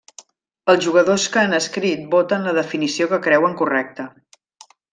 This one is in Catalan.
Els jugadors que han escrit voten la definició que creuen correcta.